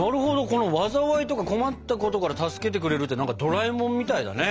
この災いとか困ったことから助けてくれるってドラえもんみたいだね。